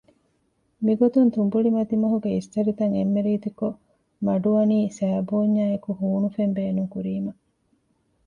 މިގޮތުން ތުނބުޅި މަތިމަހުގެ އިސްތަށިތައް އެންމެ ރީތިކޮށް މަޑުވަނީ ސައިބޯންޏާއެކު ހޫނުފެން ބޭނުން ކުރީމަ